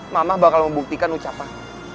mama bakal membuktikan ucapan